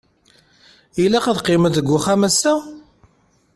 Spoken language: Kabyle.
Ilaq ad qqiment g uxxam ass-a?